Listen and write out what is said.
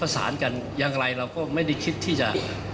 สารกันอย่างไรเราก็ไม่ได้คิดที่จะ